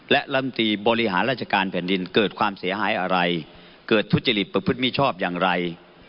และลำตีบริหารราชการแผ่นดินเกิดความเสียหายอะไรเกิดทุจริตประพฤติมิชอบอย่างไร